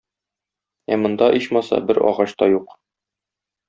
ә монда - ичмаса бер агач та юк!